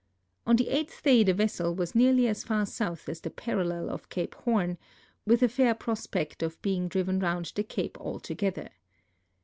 On the eighth day the vessel was nearly as far south as the parallel of Cape Horn, witii a fair prosj»ect of being driven round the cape altogether.